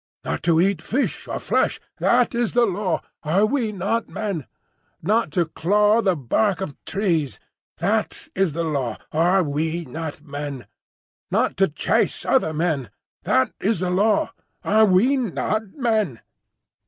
"Not to eat Fish or Flesh; that is the Law. Are we not Men? "Not to claw the Bark of Trees; that is the Law. Are we not Men? "Not to chase other Men; that is the Law. Are we not Men?"